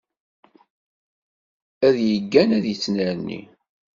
Ad yeggan ad yettnerni.